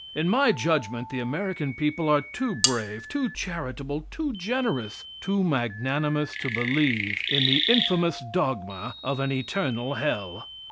In my judgment the American people are too brave, too charitable, too generous, too magnanimous to believe in the infamous dogma of an eternal hell.